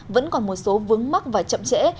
vẫn còn một số vướng mắc và chậm trễ